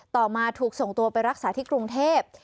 ต่อมาถูกส่งตัวไปรักษาที่กรุงเทพ